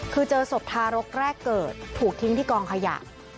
คือเจอศพทารกแรกเกิดถูกทิ้งที่กองขยะ